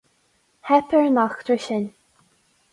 Theip ar an eachtra sin.